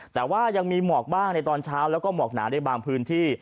แต่ว่ายังมีหมอกบ้างในตอนเช้าแล้วก็หมอกหนาในบางพื้นที่